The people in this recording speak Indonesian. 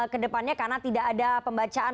kedepannya karena tidak ada pembacaan